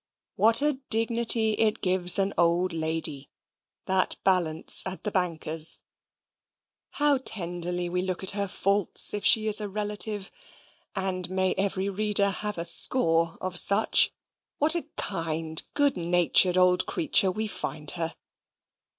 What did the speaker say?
What a dignity it gives an old lady, that balance at the banker's! How tenderly we look at her faults if she is a relative (and may every reader have a score of such), what a kind good natured old creature we find her!